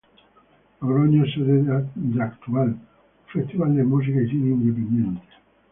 Logroño es sede de Actual, un festival de música y cine independiente.